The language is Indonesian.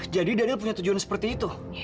jadi dany punya tujuan seperti itu